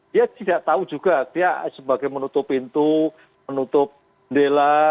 dia tidak tahu juga dia sebagai menutup pintu menutup jendela